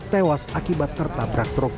tewas akibat tertabrak truk